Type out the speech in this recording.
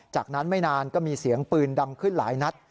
จากนั้นไม่นานก็มีเสียงปืนดังขึ้นหลายนัด